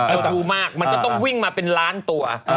อายุมากมันก็ต้องวิ่งมาเป็นล้านตัว